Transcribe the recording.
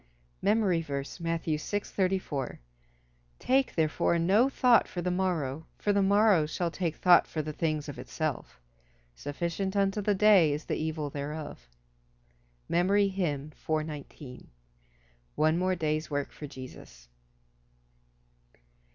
MEMORY VERSE, Matthew 6: 34 "Take therefore no thought for the morrow, for the morrow shall take thought for the things of itself. Sufficient unto the day is the evil thereof." MEMORY HYMN _"One more day's work for Jesus."